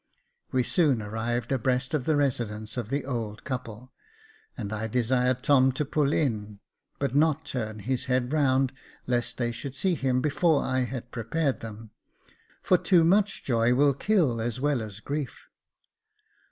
We soon arrived abreast of the residence of the old couple, and I desired Tom to pull in, but not turn his head round, lest they should see him before I had pre pared them j for too much joy will kill as well as grief.